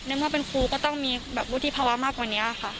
เมื่อเป็นครูก็ต้องมีแบบวุฒิภาวะมากกว่านี้ค่ะ